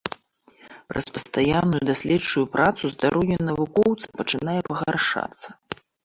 Праз пастаянную даследчую працу здароўе навукоўца пачынае пагаршацца.